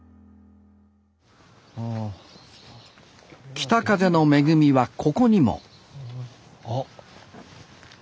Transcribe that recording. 北風の恵みはここにもあっ。